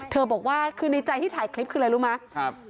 บอกว่าคือในใจที่ถ่ายคลิปคืออะไรรู้ไหม